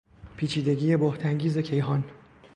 پیچیدگی بهت انگیز کیهان